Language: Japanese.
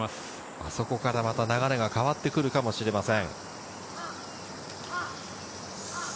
あそこからまた流れが変わってくるかもしれません。